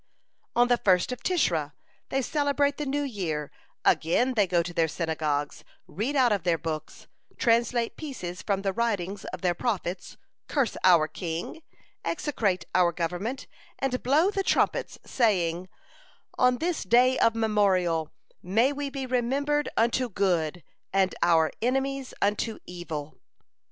"On the first of Tishri they celebrate the New Year again they go to their synagogues, read out of their books, translate pieces from the writings of their Prophets, curse our king, execrate our government, and blow the trumpets, saying: 'On this Day of Memorial may we be remembered unto good, and our enemies unto evil.'